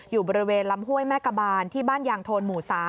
อยู่บริเวณลำห้วยแม่กะบานที่บ้านยางโทนหมู่๓